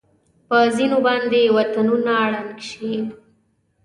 په ځېنو باندې وطنونه ړنګ شي.